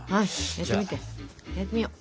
やってみよう！